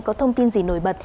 có thông tin gì nổi bật